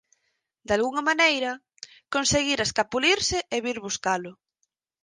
Dalgunha maneira, conseguira escapulirse e vir buscalo.